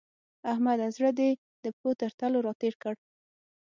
احمده! زړه دې د پښو تر تلو راتېر کړ.